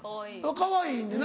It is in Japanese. かわいいねんな。